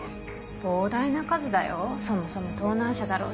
膨大な数だよそもそも盗難車だろうし。